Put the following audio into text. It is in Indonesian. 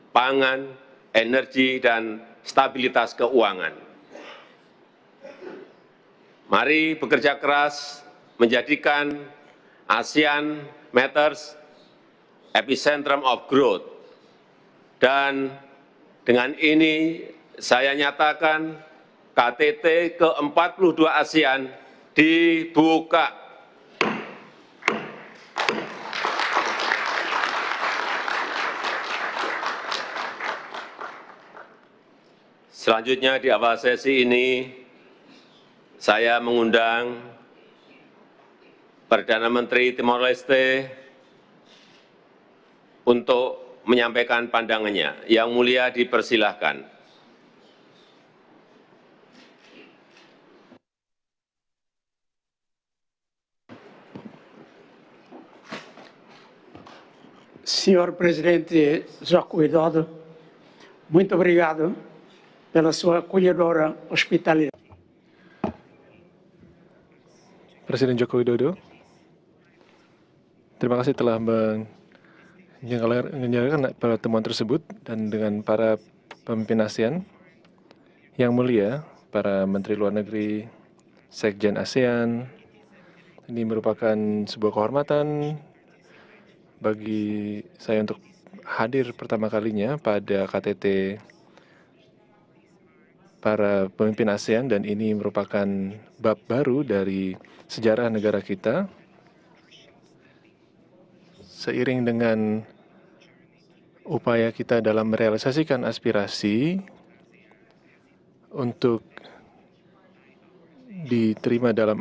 yang menjaga temuan tersebut dan dengan para pemimpin asean yang mulia para menteri luar negeri sekjen asean ini merupakan sebuah kehormatan bagi saya untuk hadir pertama kalinya pada ktt para pemimpin asean dan ini merupakan bab baru dari sejarah negara kita